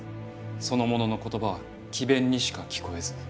その者の言葉は詭弁にしか聞こえず。